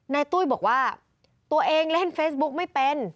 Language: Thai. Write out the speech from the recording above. ตุ้ยบอกว่าตัวเองเล่นเฟซบุ๊กไม่เป็น